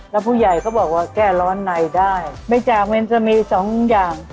แล้วผู้ใหญ่ก็บอกว่าแก้ร้อนในได้เนื่องจากมันจะมีสองอย่าง